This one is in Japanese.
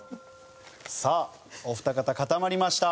さあお二方固まりました。